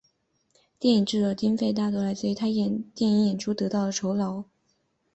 电影制作的经费大多来自他电影演出得到的酬劳。